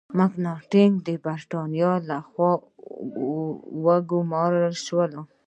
مکناټن د برتانیا له خوا وګمارل شو.